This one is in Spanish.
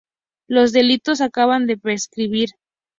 Los delitos acababan de prescribir.